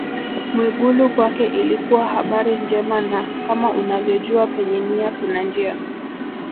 Mwigulu kwake ilikuwa habari njema na kama unavyojua penye nia kuna njia